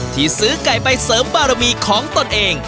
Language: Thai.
ที่ซื้อไก่ไปเสริมบารมีของตนเอง